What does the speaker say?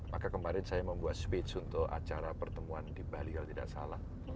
maka kemarin saya membuat speech untuk acara pertemuan di bali kalau tidak salah